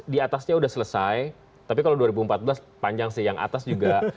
di atasnya sudah selesai tapi kalau dua ribu empat belas panjang sih yang atas juga